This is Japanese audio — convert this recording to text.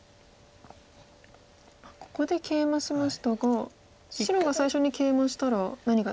ここでケイマしましたが白が最初にケイマしたら何か。